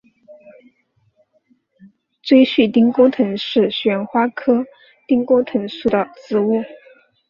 锥序丁公藤是旋花科丁公藤属的植物。